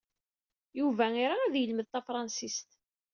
Yuba ira ad yelmed tafṛensist.